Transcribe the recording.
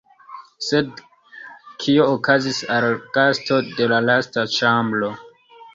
Sed, kio okazis al la gasto de la lasta ĉambro?